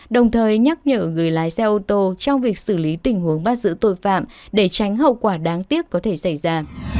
đồng thời nhắc nhở người lái xe ô tô trong việc xử lý tình huống bắt giữ tội phạm để tránh hậu quả đáng tiếc có thể xảy ra